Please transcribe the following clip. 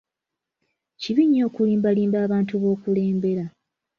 kibi nnyo okulimbalimba abantu b'okulembera.